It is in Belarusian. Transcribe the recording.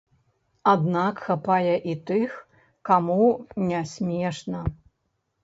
Аднак хапае і тых, каму не смешна.